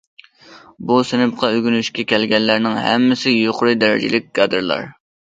بۇ سىنىپقا ئۆگىنىشكە كەلگەنلەرنىڭ ھەممىسى يۇقىرى دەرىجىلىك كادىرلار.